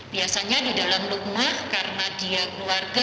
biasanya di dalam rumah karena dia keluarga